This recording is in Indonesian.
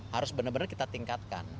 harus benar benar kita tingkatkan